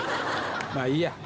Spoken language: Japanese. まあいいや。